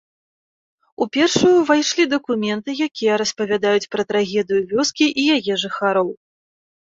У першую ўвайшлі дакументы, якія распавядаюць пра трагедыю вёскі і яе жыхароў.